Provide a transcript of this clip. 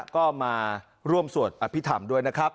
ก็มาร่วมสวดอภิษฐรรมด้วยนะครับ